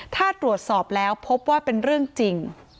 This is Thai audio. ถ้าตรวจสอบแล้วพบว่าเป็นเรื่องจริง